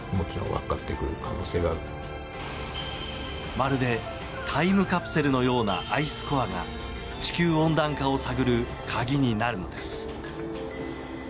まるでタイムカプセルのようなアイスコアが地球温暖化を探る鍵になるのです。